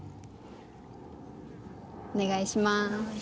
お願いします。